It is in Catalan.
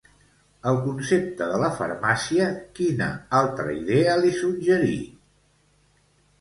El concepte de la farmàcia quina altra idea li suggerí?